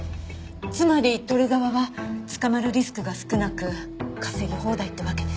つまり撮る側は捕まるリスクが少なく稼ぎ放題ってわけです。